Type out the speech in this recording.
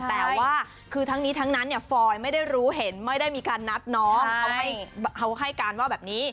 แต่ว่าคือทั้งนี้ทั้งนั้นเนี่ยฟอยไม่ได้รู้เห็นไม่ได้มีการนัดน้องเขาให้การว่าแบบนี้